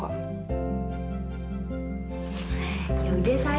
tapi untuk sekarang aku masih sanggup kok